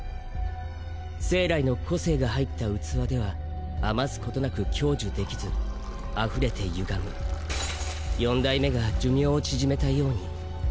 生来の個性が入った器では余すことなく享受できず溢れて歪む四代目が寿命を縮めたように。